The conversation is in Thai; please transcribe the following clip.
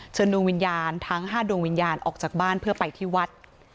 ดวงวิญญาณทั้ง๕ดวงวิญญาณออกจากบ้านเพื่อไปที่วัด